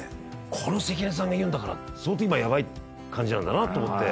この関根さんが言うんだから相当今ヤバい感じなんだなと思って。